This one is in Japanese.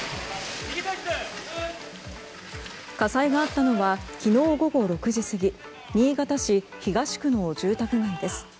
火災があったのは昨日午後６時過ぎ新潟市東区の住宅街です。